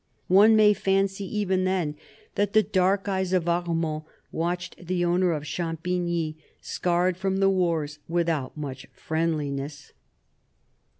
One may fancy, even then, that the dark eyes of Armand watched the owner of Champigny, scarred from the wars, without much friendhness.